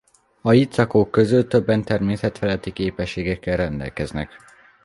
A itt lakók közül többen természetfeletti képességekkel rendelkeznek.